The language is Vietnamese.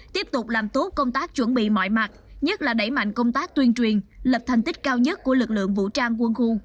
tiếp tục làm tốt công tác chuẩn bị mọi mặt nhất là đẩy mạnh công tác tuyên truyền lập thành tích cao nhất của lực lượng vũ trang quân khu